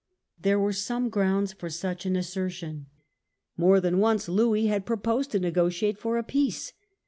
There were some grounds for such an assertion. More than once Louis had proposed to negotiate for a peace.